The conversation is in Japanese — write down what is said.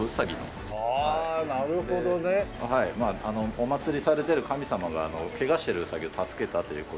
お祀りされてる神様がケガしているウサギを助けたという事で。